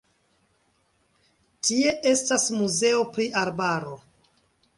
Tie estas muzeo pri arbaro.